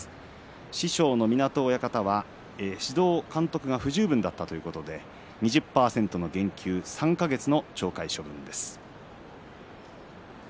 師匠の湊親方は指導、監督が不十分だったということで２０％の減給３か月の懲戒処分です。